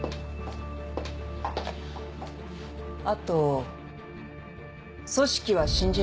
あと組織は信じなくていい。